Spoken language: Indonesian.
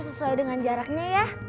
sesuai dengan jaraknya ya